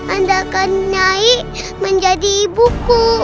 anda akan nyai menjadi ibuku